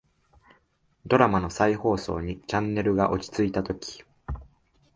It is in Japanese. ドラマの再放送にチャンネルが落ち着いたとき、